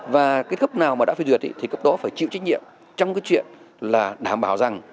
và cái cấp nào mà đã phê duyệt thì cấp đó phải chịu trách nhiệm trong cái chuyện là đảm bảo rằng